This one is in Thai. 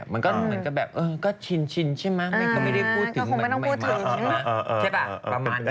มันก็เหมือนกันแบบเออก็ชินใช่มั้ยเขาไม่ได้พูดถึงแบบไหนมาก